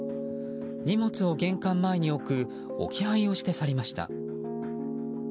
荷物を玄関前に置く置き配をして去りました。